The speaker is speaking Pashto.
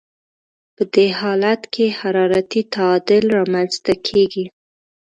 په دې حالت کې حرارتي تعادل رامنځته کیږي.